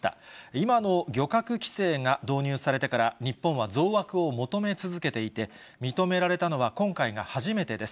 今の漁獲規制が導入されてから、日本は増枠を求め続けていて、認められたのは今回が初めてです。